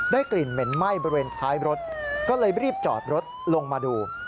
กลิ่นเหม็นไหม้บริเวณท้ายรถก็เลยรีบจอดรถลงมาดู